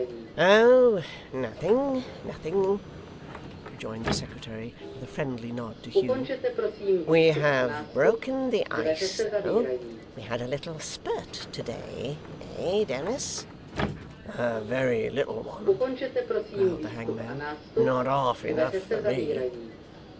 'Oh, nothing, nothing,' rejoined the secretary, with a friendly nod to Hugh. 'We have broken the ice, though. We had a little spurt to day eh, Dennis?' 'A very little one,' growled the hangman. 'Not half enough for me.